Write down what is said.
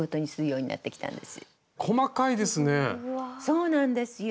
そうなんですよ。